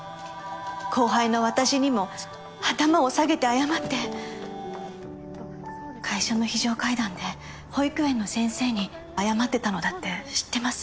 後輩の私にも頭を下げて謝って会社の非常階段で保育園の先生に謝ってたのだって知ってます。